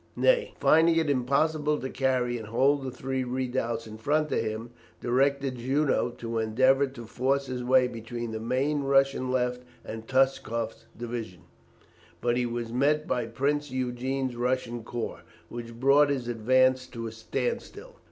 Ney, finding it impossible to carry and hold the three redoubts in front of him, directed Junot to endeavour to force his way between the main Russian left and Touchkoff's division; but he was met by Prince Eugene's Russian corps, which brought his advance to a standstill.